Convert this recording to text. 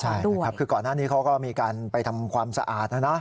ใช่นะครับคือก่อนหน้านี้เขาก็มีการไปทำความสะอาดนะนะ